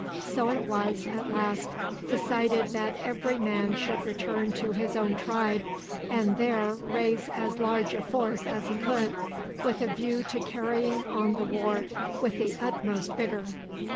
So it was, at last, decided that every man should return to his own tribe, and there raise as large a force as he could, with a view to carrying on the war with the utmost vigor.